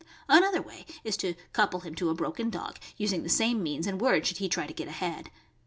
Another way is to couple him to a broken dog, using the same means and word should he try to get ahead.